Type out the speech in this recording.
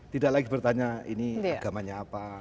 tidak lagi bertanya ini agamanya apa